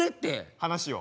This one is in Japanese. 話を？